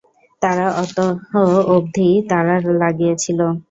তারা অত অব্ধিই তার লাগিয়েছিল।